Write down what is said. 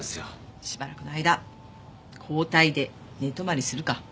しばらくの間交代で寝泊まりするか。